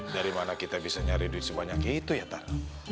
dari mana kita bisa nyari duit sebanyak itu ya tak